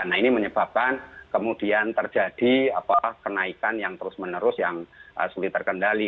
nah ini menyebabkan kemudian terjadi kenaikan yang terus menerus yang sulit terkendali